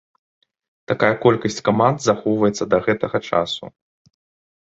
Такая колькасць каманд захоўваецца да гэтага часу.